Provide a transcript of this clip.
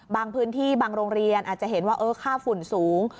บางพื้นที่บางโรงเรียนอาจจะเห็นว่าค่าฝุ่นสูง